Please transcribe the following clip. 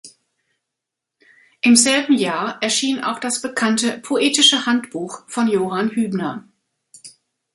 Im selben Jahr erschien auch das bekannte "Poetische Handbuch" von Johann Hübner.